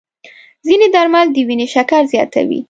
ځینې درمل د وینې شکر زیاتوي.